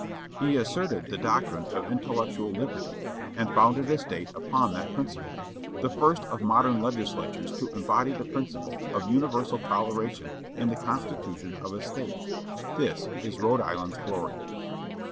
He asserted the doctrine of intellectual liberty, and founded a State upon that principle, the first of modem legislators to embody the principle of universal toleration in the constitution of a State. This is Rhode Island's glory.